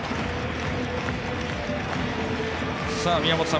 宮本さん